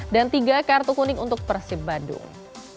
dan tiga kartu kuning untuk persib bandung